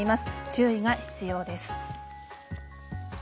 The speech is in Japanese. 注意が必要です。